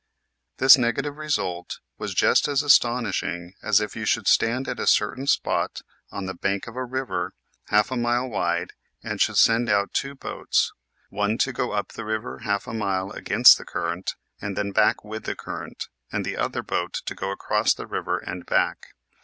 This negative result was just as astonishing as if you should stand at a certain spot on the bank of a river half a mile wide and should send out two boats, 22 EASY LESSONS IN EINSTEIN one to go up the river half a mile against the current and then back with the current and the other boat to go across the river and back.